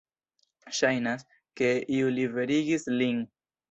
Ŝajnas, ke iu liberigis lin.